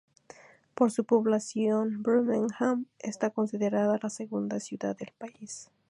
Por su población, Birmingham está considerada la segunda ciudad del país.